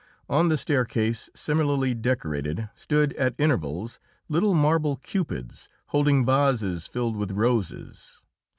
On the staircase, similarly decorated, stood at intervals little marble cupids, holding vases filled with roses.